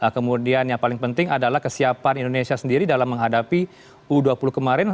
kemudian yang paling penting adalah kesiapan indonesia sendiri dalam menghadapi u dua puluh kemarin